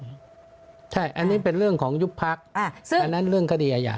อันนี้เป็นเรื่องของยุบพักอันนั้นเรื่องคดีอาญา